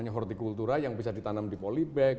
horticultura yang bisa ditanam di polybag